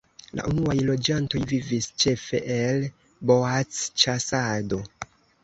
La unuaj loĝantoj vivis ĉefe el boacĉasado.